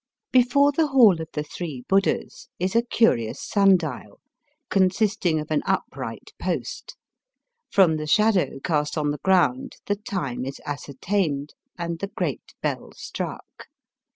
Before the Hall of the Three Buddhas is a curious sun dial, consisting of an upright post. From the shadow cast on the ground the time is ascertained and the great bell struck.